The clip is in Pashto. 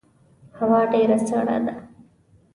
هوا ډیره سړه ده